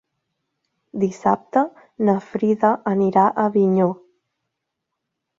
Dissabte na Frida anirà a Avinyó.